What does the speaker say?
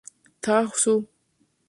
Tao Zhu.